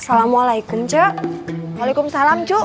assalamualaikum cek waalaikumsalam cuk